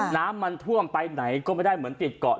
น้ำท่วมไปไหนก็ไม่ได้เหมือนติดเกาะ